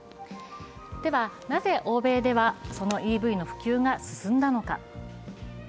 では、なぜ欧米ではそのＥＶの普及が進んだのか。